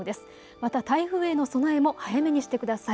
また台風への備えも早めにしてください。